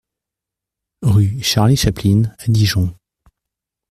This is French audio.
Rue Charlie Chaplin à Dijon